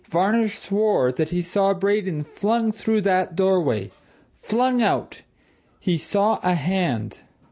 "Varner swore that he saw Braden flung through that doorway! Flung out! He saw a hand."